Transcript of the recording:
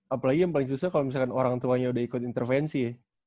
apalagi yang paling susah kalau misalkan orang tuanya udah ikut intervensi ya